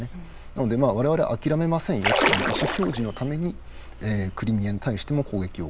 なので我々諦めませんよという意思表示のためにクリミアに対しても攻撃を行ってる。